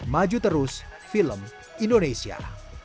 maju terus film indonesia